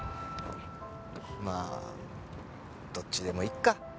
まあどっちでもいいか！